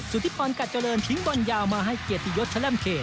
สุธิพรกัดเจริญทิ้งบอลยาวมาให้เกียรติยศแชล่มเขต